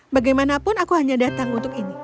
bagaimanapun aku hanya datang untuk ini